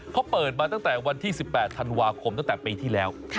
เขาเปิดมาตั้งแต่วันที่๑๘ธันวาคมตั้งแต่ปีที่แล้ว